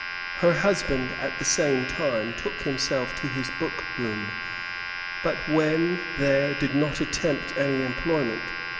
Her husband at the same time took himself to his book room, but when there did not attempt any employment.